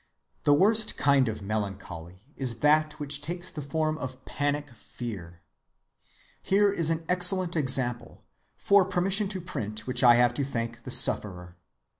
‐‐‐‐‐‐‐‐‐‐‐‐‐‐‐‐‐‐‐‐‐‐‐‐‐‐‐‐‐‐‐‐‐‐‐‐‐ The worst kind of melancholy is that which takes the form of panic fear. Here is an excellent example, for permission to print which I have to thank the sufferer.